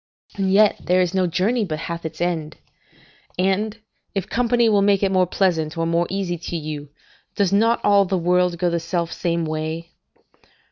and yet there is no journey but hath its end. And, if company will make it more pleasant or more easy to you, does not all the world go the self same way?